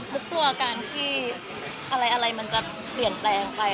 ุ๊กกลัวการที่อะไรมันจะเปลี่ยนแปลงไป